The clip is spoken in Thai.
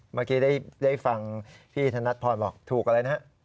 เมื่อกี้ได้ฟังพี่ธนัดพรบอกถูกอะไรนะฮะ